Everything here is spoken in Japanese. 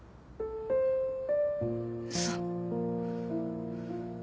嘘。